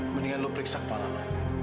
mendingan lo periksa kepala lo